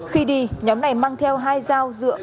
khi đi nhóm này mang theo hai dao dựa